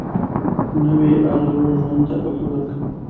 نوې ارزو ژوند ته خوښي ورکوي